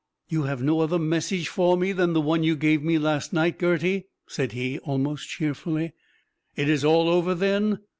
"You have no other message for me than the one you gave me last night, Gerty?" said he, almost cheerfully. "It is all over, then?